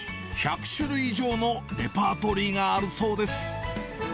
１００種類以上のレパートリーがあるそうです。